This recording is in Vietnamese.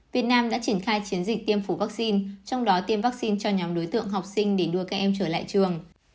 việt nam đã triển khai chiến dịch tiêm phủ vaccine trong đó tiêm vaccine cho nhóm đối tượng học sinh để đưa các em trở lại trường